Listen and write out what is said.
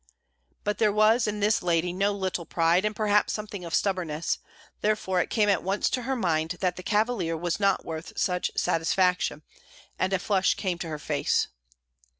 But there was in this lady no little pride, and perhaps something of stubbornness; therefore it came at once to her mind that that cavalier was not worth such satisfaction, and a flush came to her face.